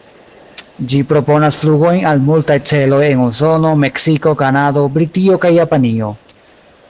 Ĝi proponas flugojn al multaj celoj en Usono, Meksiko, Kanado, Britio, kaj Japanio.